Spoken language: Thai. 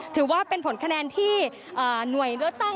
ถือว่าเป็นผลคะแนนที่หน่วยเลือกตั้ง